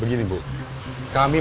berasal dari rumah ini